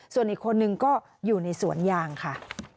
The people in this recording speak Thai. ส่วนอีกคนนึงก็อยู่ในสวนยางค่ะ